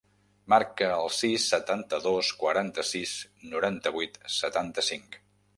Marca el sis, setanta-dos, quaranta-sis, noranta-vuit, setanta-cinc.